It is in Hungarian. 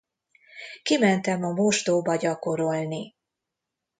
Kimentem a mosdóba gyakorolni.